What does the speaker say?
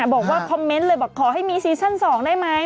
บอกว่าคอมเมนต์เลยบอกขอให้มีซีซั่น๒ได้ไหม